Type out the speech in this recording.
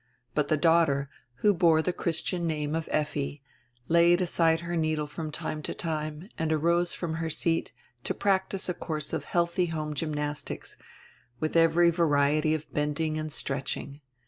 But the daughter, who bore die Christian name of Effi, laid aside her needle from time to time and arose from her seat to practice a course of healthy home gymnastics, with every variety of bending and stretching.